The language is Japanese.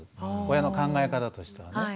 親の考え方としてはね。